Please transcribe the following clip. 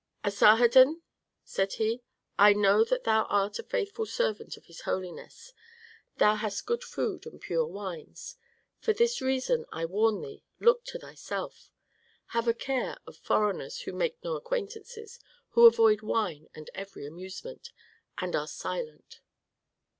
'Asarhadon,' said he, 'I know that thou art a faithful servant of his holiness, thou hast good food and pure wines; for this reason I warn thee, look to thyself. Have a care of foreigners who make no acquaintances, who avoid wine and every amusement, and are silent.